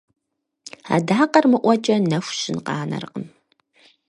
Адакъэр мыӀуэкӀэ нэху щын къанэркъым.